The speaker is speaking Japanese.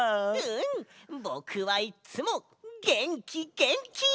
ぼくはいっつもげんきげんき！